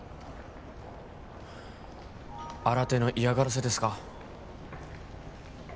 新手の嫌がらせですか？